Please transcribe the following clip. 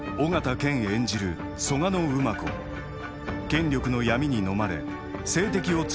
権力の闇にのまれ政敵を次々と排除。